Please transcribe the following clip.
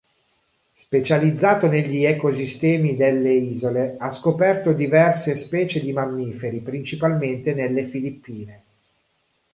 Specializzato negli ecosistemi delle isole, ha scoperto diverse specie di Mammiferi principalmente nelle Filippine.